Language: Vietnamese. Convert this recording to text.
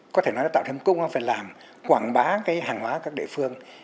có thể nói là tạo thêm công an phải làm quảng bá cái hàng hóa các địa phương